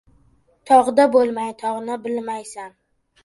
• Tog‘da bo‘lmay, tog‘ni bilmaysan.